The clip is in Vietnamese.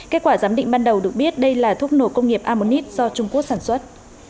kết quả giám định ban đầu được biết đây là thuốc nổ công nghiệp amonite do trung quốc sản xuất